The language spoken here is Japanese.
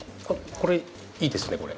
これイイですねこれ。